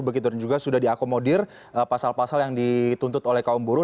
begitu dan juga sudah diakomodir pasal pasal yang dituntut oleh kaum buruh